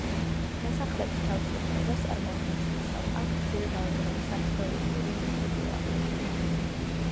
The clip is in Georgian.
დასახლების თავისებურებას წარმოადგენს ის, რომ აქ მცირე რაოდენობის არქეოლოგიური ნივთებია აღმოჩენილი.